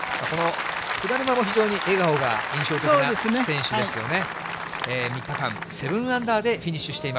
菅沼も非常に笑顔が印象的な選手ですよね。